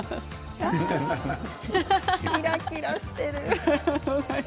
目がキラキラしてる。